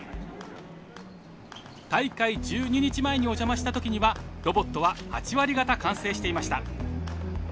大会１２日前にお邪魔した時にはロボットは８割方完成していました。